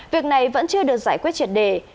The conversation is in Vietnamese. việc này vẫn chưa được giải quyết triệt đề